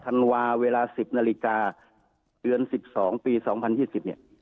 ธันวาเวลา๑๐นาฬิกาเดือน๑๒ปี๒๐๒๐เนี่ย